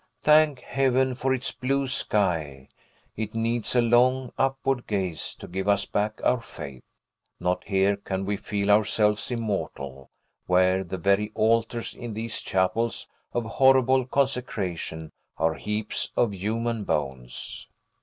Thank Heaven for its blue sky; it needs a long, upward gaze to give us back our faith. Not here can we feel ourselves immortal, where the very altars in these chapels of horrible consecration are heaps of human bones.